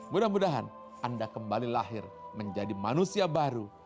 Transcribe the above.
mudah mudahan anda kembali lahir menjadi manusia baru